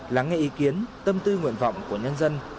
lắng nghe ý kiến tâm tư nguyện vọng của nhân dân